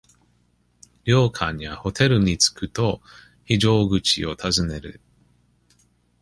旅館やホテルに着くと、非常口を尋ねる。